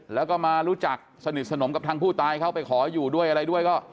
แล้วก็มารู้จักสนิทสนมกับทางผู้ตายเขาไปขออยู่ด้วยอะไรด้วยก็